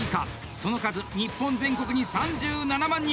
その数、日本全国に３７万人。